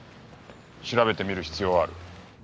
調べてみる必要はある。